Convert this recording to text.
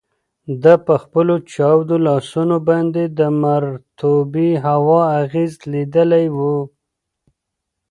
ده په خپلو چاودو لاسونو باندې د مرطوبې هوا اغیز لیدلی و.